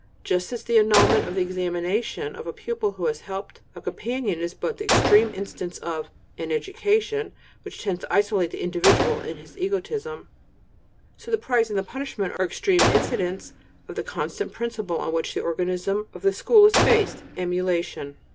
Just as the annulment of the examination of a pupil who has helped a companion is but the extreme instance of "an education" which tends to isolate the individual in his egotism; so the prize and the punishment are the extreme incidents of the constant principle on which the organism of the school is based: emulation.